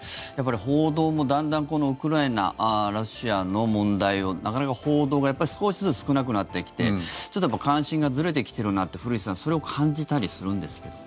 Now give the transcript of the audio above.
報道もだんだんこのウクライナ、ロシアの問題をなかなか報道が少しずつ少なくなってきてちょっと関心がずれてきているなって古市さんそれを感じたりするんですけど。